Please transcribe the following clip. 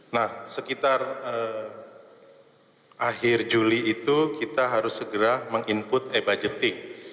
nah sekitar akhir juli itu kita harus segera meng input e budgeting